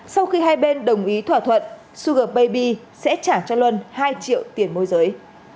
sau khi hai bên đồng ý thỏa thuận sugar baby sẽ trả cho luân hai triệu tiền môi giới